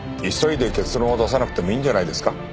急いで結論を出さなくてもいいんじゃないですか？